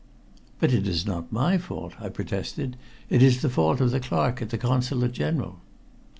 "But it is not my fault," I protested. "It is the fault of the clerk at the Consulate General."